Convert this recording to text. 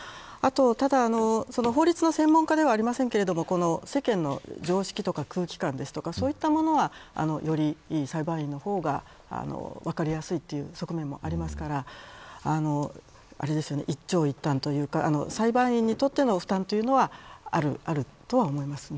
ただ法律の専門家ではありませんが世間の常識とか空気感ですとかそういったものはより裁判員の方が分かりやすいという側面もありますから一長一短というか裁判員にとっての負担というのはあるとは思いますね。